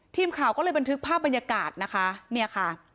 ทีมข่าวก็เลยบันทึกภาพบรรยากาศนะคะเนี่ยค่ะ